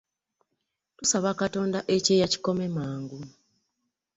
Tusaba katonda ekyeya kikome mangu.